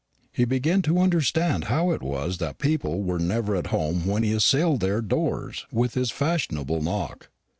He began to understand how it was that people were never at home when he assailed their doors with his fashionable knock.